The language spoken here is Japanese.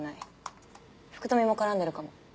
福富も絡んでるかも。